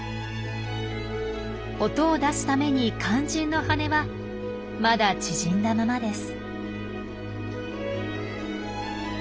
音を出すために肝心の翅はまだ縮んだままです。